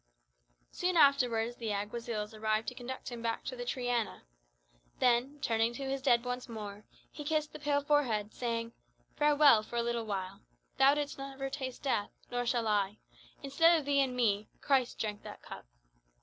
Soon afterwards the Alguazils arrived to conduct him back to the Triana. Then, turning to his dead once more, he kissed the pale forehead, saying, "Farewell, for a little while. Thou didst never taste death; nor shall I. Instead of thee and me, Christ drank that cup."